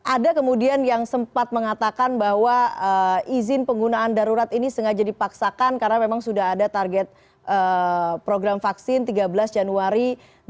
ada kemudian yang sempat mengatakan bahwa izin penggunaan darurat ini sengaja dipaksakan karena memang sudah ada target program vaksin tiga belas januari dua ribu dua puluh